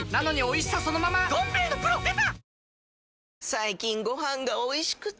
最近ご飯がおいしくて！